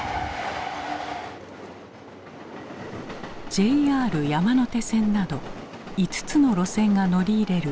ＪＲ山手線など５つの路線が乗り入れる